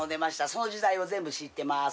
その時代を全部知ってます